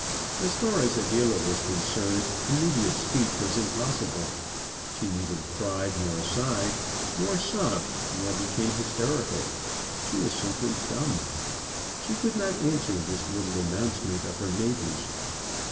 As far as Adela was concerned, immediate speech was impossible. She neither cried, nor sighed, nor sobbed, nor became hysterical. She was simply dumb. She could not answer this little announcement of her neighbour's.